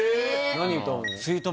何歌うの？